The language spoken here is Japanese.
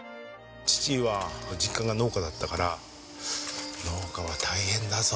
父は実家が農家だったから「農家は大変だぞ。